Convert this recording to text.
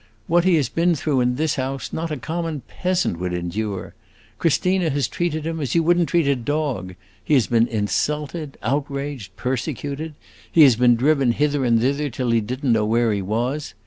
What he has been through in this house, not a common peasant would endure. Christina has treated him as you would n't treat a dog. He has been insulted, outraged, persecuted! He has been driven hither and thither till he did n't know where he was.